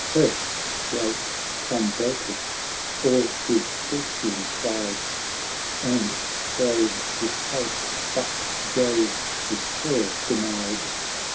First great Clorabrotus all his fortune tried And strove with fate, but Jove his prayer denied.